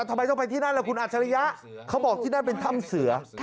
ทำไมต้องไปที่นั่นล่ะคุณอัจฉริยะเขาบอกที่นั่นเป็นถ้ำเสือ